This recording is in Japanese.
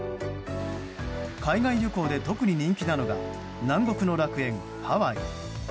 海外旅行で特に人気なのが南国の楽園ハワイ。